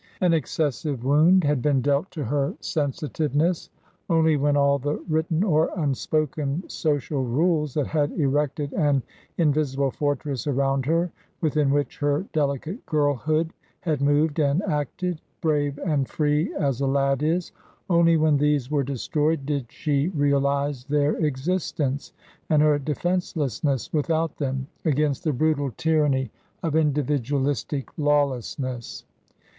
An excessive wound had been dealt to her sensitiveness. Only when all the written or unspoken social rules that had erected an invisible fortress around her, within which her delicate girlhood had moved and acted, brave and free as a lad is — only when these were destroyed did she realize their existence, and her de fencelessness without them against the brutal tyranny of individualistic lawlessness.